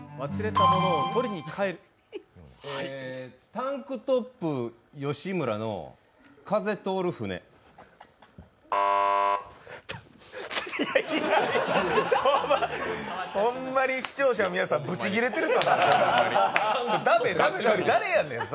タンクトップ吉村の「風通る船」ほんまに視聴者の皆さん、ぶち切れてると思うで、誰やねん。